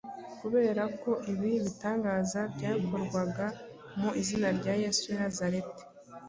Kubera ko ibi bitangaza byakorwaga mu izina rya Yesu w’i Nazareti,